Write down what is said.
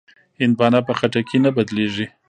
هندوانه په خټکي نه بدلېږي.